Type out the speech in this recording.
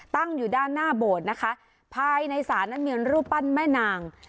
ตั้งอยู่ด้านหน้าโบสถ์นะคะภายในศาลนั้นมีรูปปั้นแม่นาง